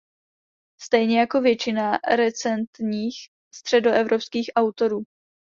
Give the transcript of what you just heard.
Stejně jako většina recentních středoevropských autorů.